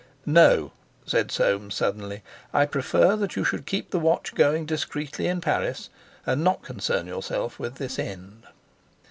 "No," said Soames suddenly, "I prefer that you should keep the watch going discreetly in Paris, and not concern yourself with this end."